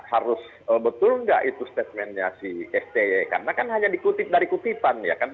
harus betul tidak itu statementnya si sde karena kan hanya dikutip dari kutipan